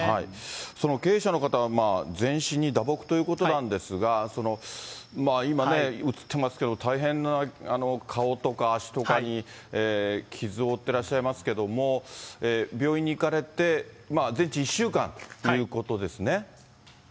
その経営者の方、全身に打撲ということなんですが、今ね、映ってますけど、大変な、顔とか足とかに傷を負ってらっしゃいますけども、病院に行かれて、全治１週間ということですね。